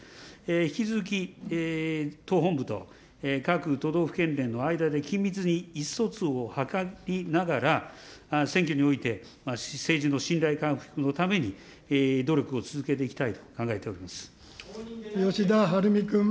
引き続き、党本部と各都道府県連の間で緊密に意思疎通を図りながら、選挙において、政治の信頼回復のために、努力を続けていきたいと考えてお吉田はるみ君。